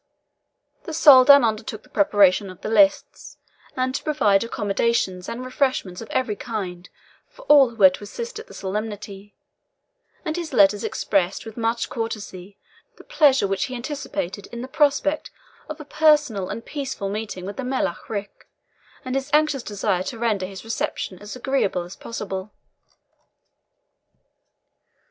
The Soldan undertook the preparation of the lists, and to provide accommodations and refreshments of every kind for all who were to assist at the solemnity; and his letters expressed with much courtesy the pleasure which he anticipated in the prospect of a personal and peaceful meeting with the Melech Ric, and his anxious desire to render his reception as agreeable as possible.